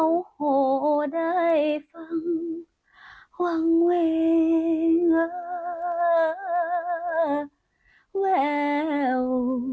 โอ้โหมายขันหมากมาเลย